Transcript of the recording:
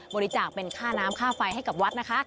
บริจาคเป็นค่าน้ำค่าไฟให้กับวัดนะคะ